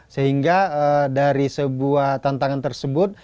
sehingga dari sebuah tantangan tersebut